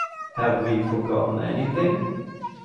Have we forgotten anything?